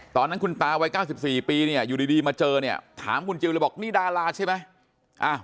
ตอนนั้นคุณตาวัย๙๔ปีเนี่ยอยู่ดีมาเจอเนี่ยถามคุณจิลเลยบอกนี่ดาราใช่ไหม